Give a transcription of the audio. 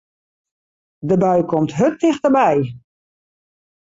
De bui komt hurd tichterby.